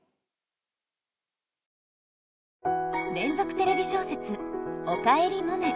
連続テレビ小説「おかえりモネ」。